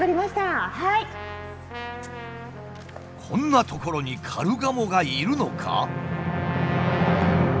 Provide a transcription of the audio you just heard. こんな所にカルガモがいるのか？